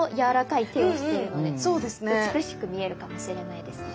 美しく見えるかもしれないですね。